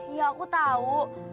iya aku tau